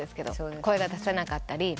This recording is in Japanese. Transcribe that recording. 声が出せなかったり。